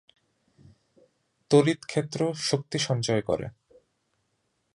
তড়িৎ ক্ষেত্র শক্তি সঞ্চয় করে।